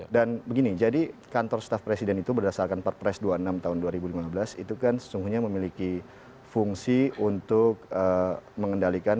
dan begini jadi kantor staff presiden itu berdasarkan perpres dua puluh enam tahun dua ribu lima belas itu kan sesungguhnya memiliki fungsi untuk mengendalikan